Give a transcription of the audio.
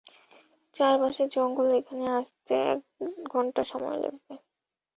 চারপাশে জঙ্গল এখানে আসতে এক ঘণ্টা সময় লাগবে।